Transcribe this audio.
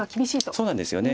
そうなんですよね